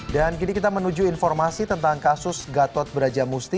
dan kini kita menuju informasi tentang kasus gatot brajamusti